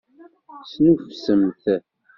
Snuffsemt!